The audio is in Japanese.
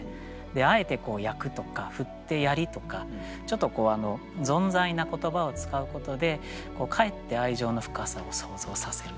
あえて「焼く」とか「振つてやり」とかちょっとぞんざいな言葉を使うことでかえって愛情の深さを想像させるんですかね。